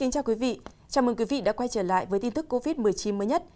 chào mừng quý vị đã quay trở lại với tin tức covid một mươi chín mới nhất